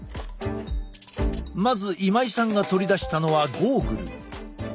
まず今井さんが取り出したのはゴーグル。